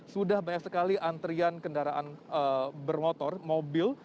sudah banyak sekali antrian kendaraan bermotor mobil